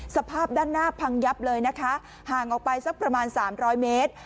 สภาพด้านหน้าพังยับเลยนะคะห่างออกไปสักประมาณ๓๐๐เมตร